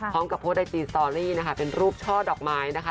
พร้อมกับโพสต์ไอจีสตอรี่นะคะเป็นรูปช่อดอกไม้นะคะ